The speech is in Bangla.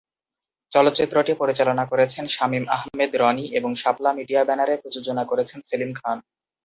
চলচ্চিত্রটি পরিচালনা করেছেন শামীম আহমেদ রনি ও শাপলা মিডিয়া ব্যানারে প্রযোজনা করেছেন সেলিম খান।